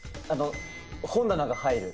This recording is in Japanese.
本棚が入る。